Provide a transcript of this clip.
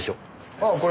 ああこれ。